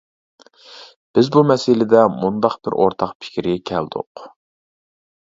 بىز بۇ مەسىلىدە مۇنداق بىر ئورتاق پىكىرگە كەلدۇق.